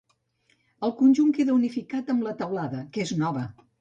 El conjunt queda unificat amb la teulada, que és nova.